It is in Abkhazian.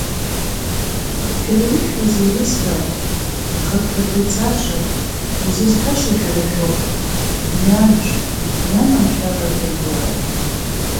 Шәара ишәҳәаз еилыскааит, аха ԥхьаҟа ицаша, изызҳаша шәара шәоуп, мҩамыш, мҩа маншәала шәықәлааит.